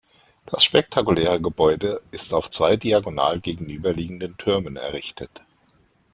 Das spektakuläre Gebäude ist auf zwei diagonal gegenüberliegenden Türmen errichtet.